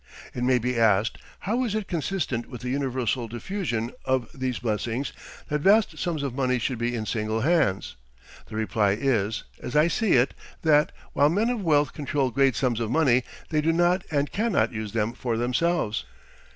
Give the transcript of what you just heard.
It may be asked: How is it consistent with the universal diffusion of these blessings that vast sums of money should be in single hands? The reply is, as I see it, that, while men of wealth control great sums of money, they do not and cannot use them for themselves.